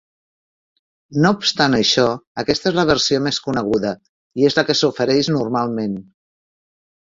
No obstant això, aquesta és la versió més coneguda, i és la que s'ofereix normalment.